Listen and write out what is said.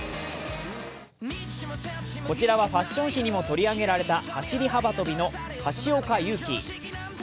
こちらはファッション誌にも取り上げられた、走り幅跳びの橋岡優輝。